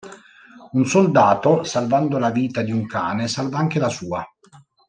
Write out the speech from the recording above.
Un soldato, salvando la vita di un cane, salva anche la sua.